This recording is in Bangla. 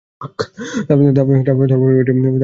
তাহলে, এটা ব্যবহার করোনি কেন?